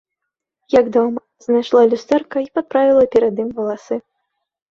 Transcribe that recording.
Як дома, знайшла люстэрка й паправіла перад ім валасы.